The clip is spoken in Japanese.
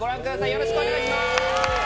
よろしくお願いします！